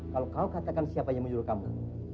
kalau kau katakan siapa yang menyuruh kamu